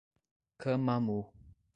Camamu